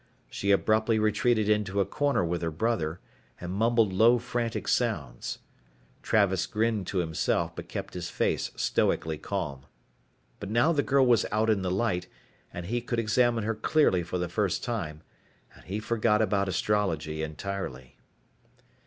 She abruptly retreated into a corner with her brother and mumbled low frantic sounds. Travis grinned to himself but kept his face stoically calm. But now the girl was out in the light and he could examine her clearly for the first time, and he forgot about astrology entirely.